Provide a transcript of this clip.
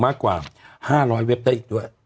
มากกว่าห้าร้อยเว็บได้อีกดู